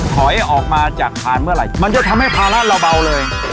ถอยออกมาจากคานเมื่อไหร่มันจะทำให้ภาระเราเบาเลย